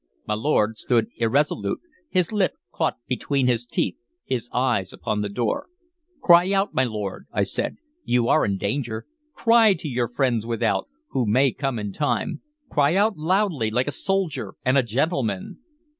My lord stood irresolute, his lip caught between his teeth, his eyes upon the door. "Cry out, my lord," I said. "You are in danger. Cry to your friends without, who may come in time. Cry out loudly, like a soldier and a gentleman!"